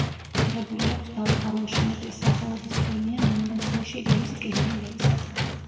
მიღებული აქვს დავით აღმაშენებლის სახელობის პრემია ნომინაციაში „ერის ტკივილი ლექსად“.